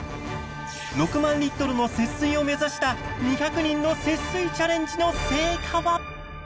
６万リットルの節水を目指した２００人の節水チャレンジの成果は。